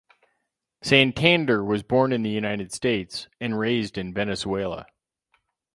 Santander was born in the United States and raised in Venezuela.